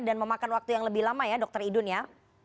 dan memakan waktu yang lebih lama ya dokter idun ya